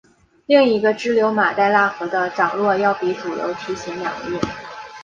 另一个支流马代腊河的涨落要比主流提前两个月。